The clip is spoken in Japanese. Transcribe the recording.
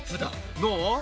どう？